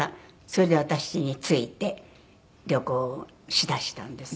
それで私に付いて旅行をしだしたんです。